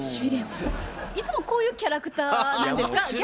いつもこういうキャラクターなんですか？